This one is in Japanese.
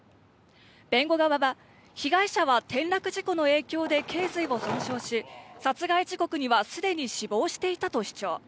弁護側は、被害者は転落事故の影響で頚髄を損傷し、殺害時刻には既に死亡していたと主張。